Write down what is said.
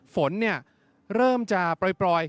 ฝนเริ่มจะปล่อย